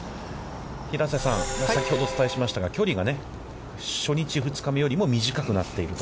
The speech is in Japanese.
平瀬さん、先ほどお伝えしましたが、距離が初日、２日目よりも短くなっていると。